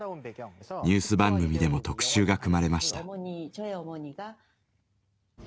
ニュース番組でも特集が組まれました。